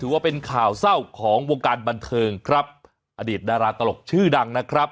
ว่าเป็นข่าวเศร้าของวงการบันเทิงครับอดีตดาราตลกชื่อดังนะครับ